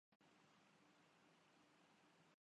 احتساب کیا تھا۔